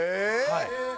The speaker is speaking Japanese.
はい。